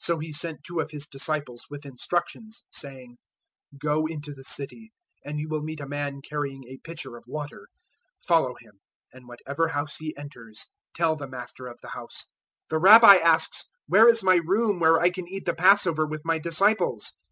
014:013 So He sent two of His disciples with instructions, saying, "Go into the city, and you will meet a man carrying a pitcher of water: follow him, 014:014 and whatever house he enters, tell the master of the house, 'The Rabbi asks, Where is my room where I can eat the Passover with my disciples?'